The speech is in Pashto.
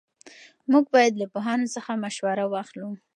موږ باید له پوهانو څخه مشوره واخلو.